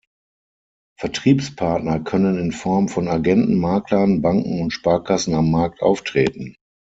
Vertriebspartner können in Form von Agenten, Maklern, Banken und Sparkassen am Markt auftreten.